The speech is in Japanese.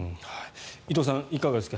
伊藤さん、いかがですか。